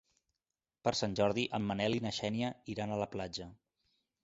Per Sant Jordi en Manel i na Xènia iran a la platja.